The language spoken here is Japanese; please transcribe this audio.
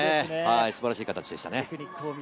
素晴らしい形でしたね。